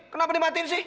kenapa dimatiin sih